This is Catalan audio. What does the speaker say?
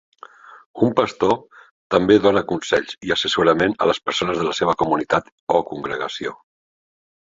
Un pastor també dona consells i assessorament a les persones de la seva comunitat o congregació.